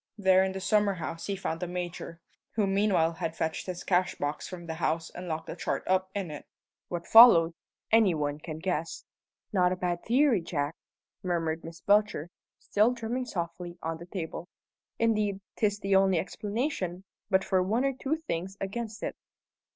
There in the summer house he found the Major, who meanwhile had fetched his cashbox from the house and locked the chart up in it. What followed, any one can guess." "Not a bad theory, Jack!" murmured Miss Belcher, still drumming softly on the table. "Indeed, 'tis the only explanation, but for one or two things against it."